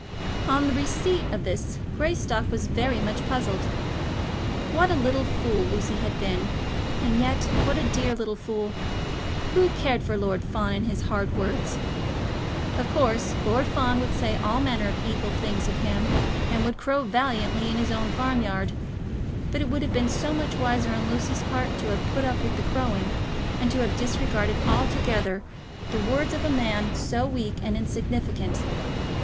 On receipt of this, Greystock was very much puzzled. What a little fool Lucy had been, and yet what a dear little fool! Who cared for Lord Fawn and his hard words? Of course, Lord Fawn would say all manner of evil things of him, and would crow valiantly in his own farm yard; but it would have been so much wiser on Lucy's part to have put up with the crowing, and to have disregarded altogether the words of a man so weak and insignificant!